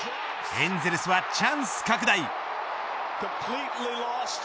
エンゼルスはチャンス拡大。